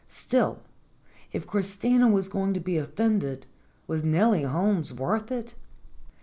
Still, if Christina was going to be offended, was Nellie Holmes worth it?